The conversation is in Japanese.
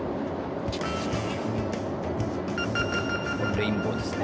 レインボーですね。